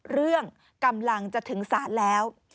เรื่องกำลังจะถึงศาลแล้ว